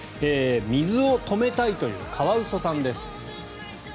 水を止めたいというカワウソさんです。